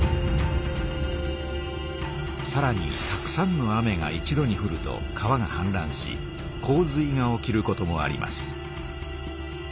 さらにたくさんの雨が一度にふると川がはんらんし洪水が起きることもあります。